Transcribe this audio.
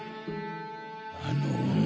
あの女！